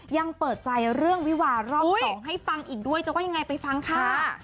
ยังเปิดใจเรื่องวิวารอบ๒ให้ฟังอีกด้วยจะว่ายังไงไปฟังค่ะ